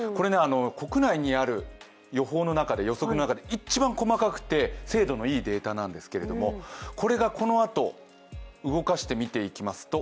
国内にある予報の中で予測の中で一番細かくて精度のいいデータなんですけれども、これがこのあと動かしてみていきますと。